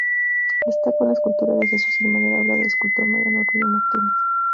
Destaca una escultura de Jesús en madera obra del escultor Mariano Rubio Martínez.